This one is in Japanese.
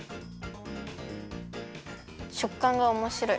しょっかんがおもしろい。